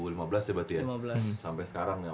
ya berarti ya sampai sekarang